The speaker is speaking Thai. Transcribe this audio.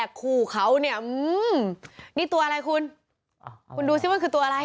คู่เขาเนี่ยนี่ตัวอะไรคุณคุณดูสิมันคือตัวอะไร